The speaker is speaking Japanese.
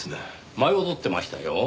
舞い踊ってましたよ。